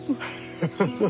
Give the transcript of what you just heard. ハハハ！